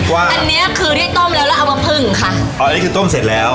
อันเนี้ยคือที่ต้มแล้วแล้วเอามาผึ้งค่ะอ๋ออันนี้คือต้มเสร็จแล้ว